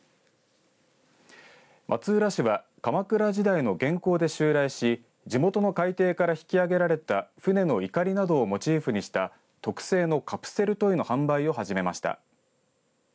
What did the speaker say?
松浦市は鎌倉時代の元寇で襲来し地元の海底から引き揚げられた船のいかりなどをモチーフにした特製のカプセルトイの販売を始めました。